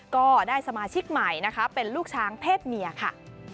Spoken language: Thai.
ก็ได้สมาชิกใหม่นะคะเป็นลูกช้างเพศเมียค่ะ